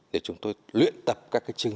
để chúng tôi luyện tập các chương trình